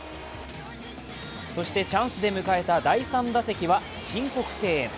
そしてチャンスで迎えた第３打席は申告敬遠。